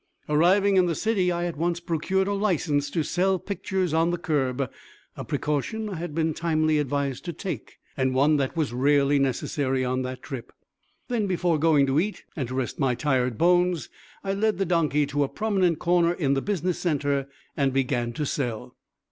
Arriving in the city, I at once procured a license to sell pictures on the curb, a precaution I had been timely advised to take, and one that was rarely necessary on that trip. Then, before going to eat and to rest my tired bones, I led the donkey to a prominent corner in the business center and began to sell.